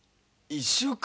１週間？